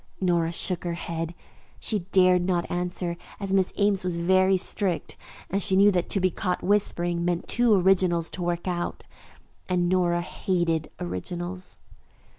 Nora shook her head. She dared not answer, as Miss Ames was very strict, and she knew that to be caught whispering meant two originals to work out, and Nora hated originals.